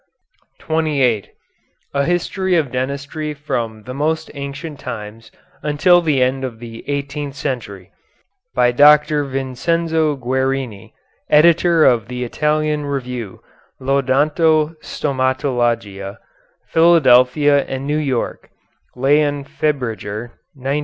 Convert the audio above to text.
] [Footnote 28: "A History of Dentistry from the Most Ancient Times Until the End of the Eighteenth Century," by Dr. Vincenzo Guerini, editor of the Italian Review L'Odonto Stomatologia, Philadelphia and New York, Lea and Febriger, 1909.